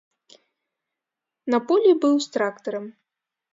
На полі быў з трактарам.